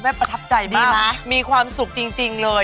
คุณแม่ประทับใจมากดีนะมีความสุขจริงเลย